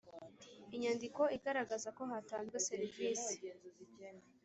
Inyandiko igaragaza ko hatanzwe serivisi